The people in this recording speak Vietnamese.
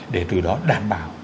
để từ đó đảm bảo